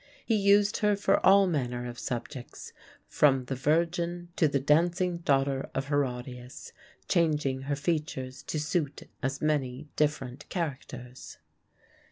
He used her for all manner of subjects, from the Virgin to the "Dancing Daughter of Herodias," changing her features to suit as many different characters.